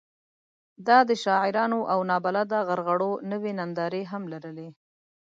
دا د شعارونو او نابلده غرغړو نوې نندارې هم لرلې.